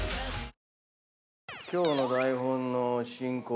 今日の台本の進行